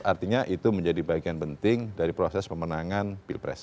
artinya itu menjadi bagian penting dari proses pemenangan pilpres